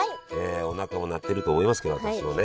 おなかも鳴ってると思いますけど私もね。